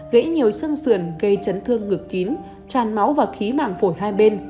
gãy nhiều xương sườn gây chấn thương ngược kín tràn máu và khí mạng phổi hai bên